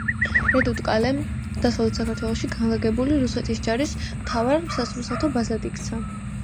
რედუტ-კალე დასავლეთ საქართველოში განლაგებული რუსეთის ჯარის მთავარ სასურსათო ბაზად იქცა.